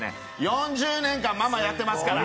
４０年間ママやってますから。